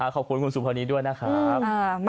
ขอบคุณคุณสุภานีด้วยนะครับ